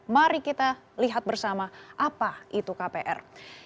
mari kita lihat bersama apa itu kpr